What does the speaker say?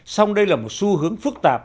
xong đây là một xu hướng phức tạp